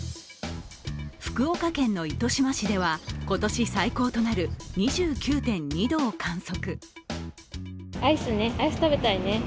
福岡県の糸島市では今年最高となる２９．２度を観測。